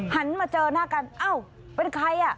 หันมาเจอหน้ากันอ้าวเป็นใครอ่ะ